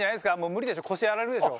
無理でしょ腰やられるでしょ。